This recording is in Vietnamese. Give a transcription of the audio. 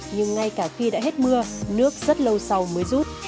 nhưng ngay cả khi đã hết mưa nước rất lâu sau mới rút